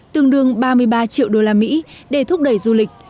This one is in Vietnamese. tương đương ba mươi ba triệu đô la mỹ để thúc đẩy du lịch